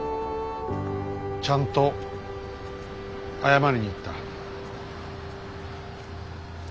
ちゃんと謝りに行った。